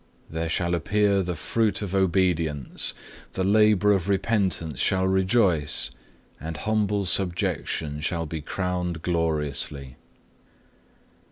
There shall appear the fruit of obedience, the labour of repentance shall rejoice, and humble subjection shall be crowned gloriously.